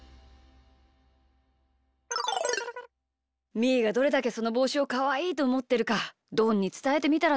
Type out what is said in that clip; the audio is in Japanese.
みーがどれだけそのぼうしをかわいいとおもってるかどんにつたえてみたらどうかな？